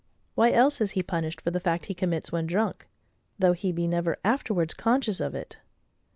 why else is he punished for the fact he commits when drunk, though he be never afterwards conscious of it?